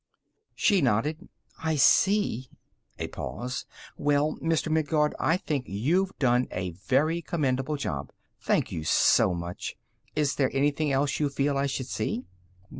She nodded. "I see." A pause. "Well, Mr. Midguard, I think you've done a very commendable job. Thank you so much. Is there anything else you feel I should see?"